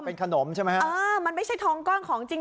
เป็นขนมใช่ไหมฮะเออมันไม่ใช่ทองก้อนของจริง